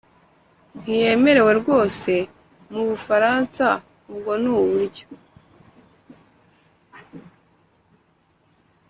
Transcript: ntiyemewe rwose mu bufaransa. ubwo ni uburyo